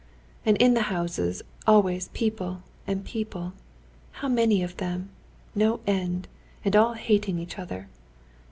And in the houses always people and people.... How many of them, no end, and all hating each other!